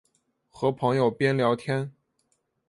和朋友边聊天